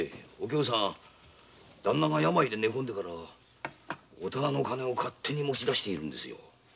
総兵衛さんが病で寝込んでから店の金を勝手に持ち出しているんですよ。